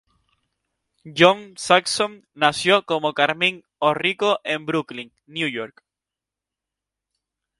John Saxon nació como Carmine Orrico en Brooklyn, New York.